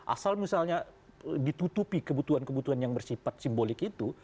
asal misalnya ditutupi kebutuhan kebutuhan yang bersifat simbolik itu